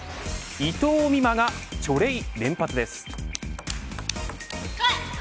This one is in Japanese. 伊藤美誠がチョレイ連発です。